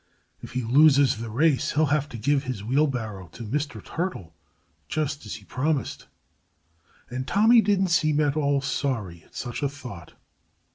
"If he loses the race, he'll have to give his wheelbarrow to Mr. Turtle, just as he promised." And Tommy didn't seem at all sorry at such a thought.